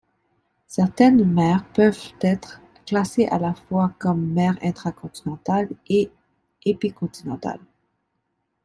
Certaines mers peuvent être classées à la fois comme mers intracontinentales et épicontinentales.